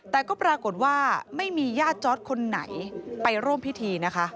แต่ก็ปรากฏว่าไม่มีญาติจอร์ดคนไหนไปร่วมพิธีนะคะ